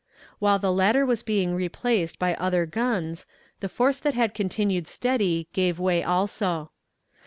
While the latter was being replaced by other guns, the force that had continued steady gave way also.